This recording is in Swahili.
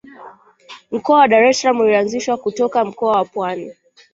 mkoa wa dar es salaam ulianzishwa kutoka mkoa wa pwani